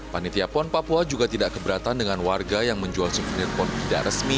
panitia pon papua juga tidak keberatan dengan warga yang menjual supir pon tidak resmi